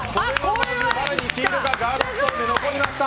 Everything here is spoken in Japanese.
前に黄色がガードストーンで残りました！